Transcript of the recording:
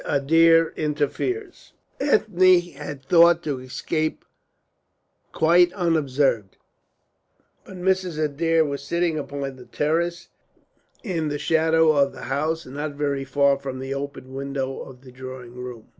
ADAIR INTERFERES Ethne had thought to escape quite unobserved; but Mrs. Adair was sitting upon the terrace in the shadow of the house and not very far from the open window of the drawing room.